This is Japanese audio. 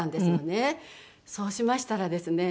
そうしましたらですね